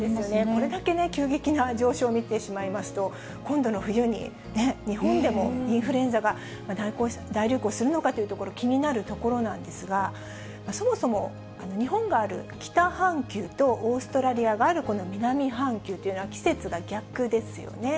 これだけ急激な上昇を見てしまいますと、今度の冬に、日本でもインフルエンザが大流行するのかというところ、気になるところなんですが、そもそも日本がある北半球とオーストラリアがあるこの南半球というのは、季節が逆ですよね。